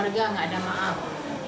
dari keluarga nggak ada maaf